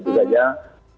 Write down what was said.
pertama sekali saya berusaha